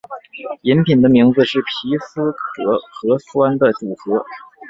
饮品的名字是皮斯可和酸的组合。